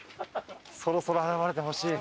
そろそろ現れてほしい。